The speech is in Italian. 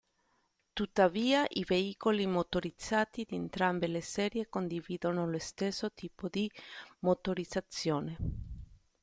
Tuttavia, i veicoli motorizzati di entrambe le serie condividono lo stesso tipo di motorizzazione.